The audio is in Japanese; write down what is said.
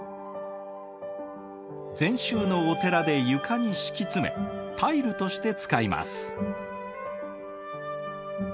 禅宗のお寺で床に敷き詰めタイルとして使います。